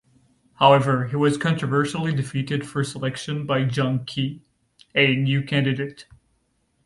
However, he was controversially defeated for selection by John Key, a new candidate.